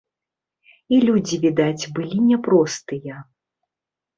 І людзі, відаць, былі няпростыя.